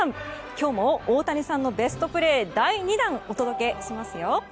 今日も大谷さんのベストプレー第２弾をお届けしますよ。